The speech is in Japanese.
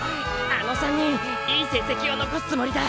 あの３人いい成績を残すつもりだ！